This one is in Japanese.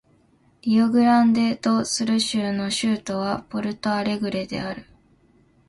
リオグランデ・ド・スル州の州都はポルト・アレグレである